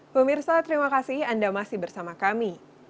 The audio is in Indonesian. pemirsa terima kasih anda masih bersama kami